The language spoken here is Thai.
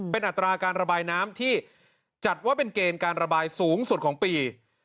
เป็นอัตราการระบายน้ำที่จัดว่าเป็นเกณฑ์การระบายสูงสุดของปี